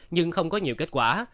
nhưng không có nhiều kết quả